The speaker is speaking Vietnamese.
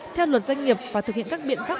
theo luật doanh nghiệp và thực hiện các biện pháp